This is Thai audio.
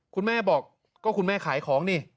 คุณแม่บอกก็คุณแม่ขายของนี่